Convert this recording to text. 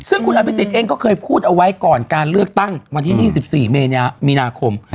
ซึ่งคุณอภิษฎเองก็เคยพูดเอาไว้ก่อนการเลือกตั้งวันที่๒๔มีนาคม